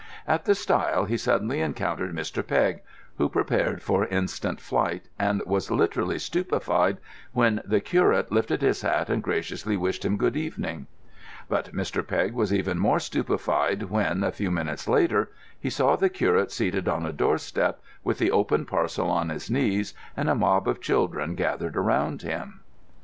At the stile, he suddenly encountered Mr. Pegg, who prepared for instant flight and was literally stupefied when the curate lifted his hat and graciously wished him "good evening." But Mr. Pegg was even more stupefied when, a few minutes later, he saw the curate seated on a doorstep, with the open parcel on his knees, and a mob of children gathered around him.